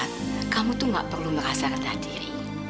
sat kamu tuh nggak perlu merasa rendah diri